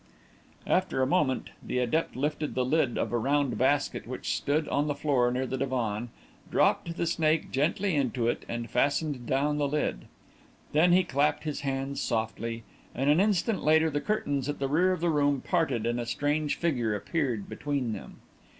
After a moment, the adept lifted the lid of a round basket which stood on the floor near the divan, dropped the snake gently into it, and fastened down the lid. Then he clapped his hands softly, and an instant later the curtains at the rear of the room parted and a strange figure appeared between them.